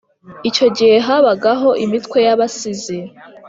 Icyo gihe habagaho imitwe y’abasizi.